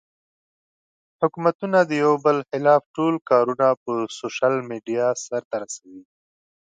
حکومتونه د يو بل خلاف ټول کارونه پۀ سوشل ميډيا سر ته رسوي